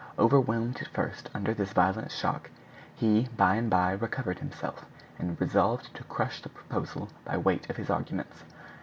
Overwhelmed at first under this violent shock, he by and by recovered himself, and resolved to crush the proposal by weight of his arguments.